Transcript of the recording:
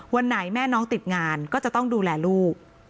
วันไหนแม่น้องติดงานก็จะต้องดูแลลูก